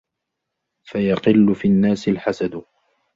فَيَقِلُّ فِي النَّاسِ الْحَسَدُ